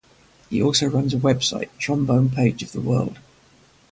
He also runs a web site "Trombone Page of the world".